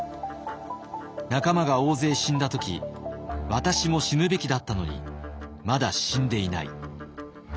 仲間が大勢死んだ時私も死ぬべきだったのにまだ死んでいない。